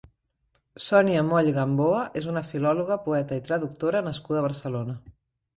Sònia Moll Gamboa és una filòloga, poeta i traductora nascuda a Barcelona.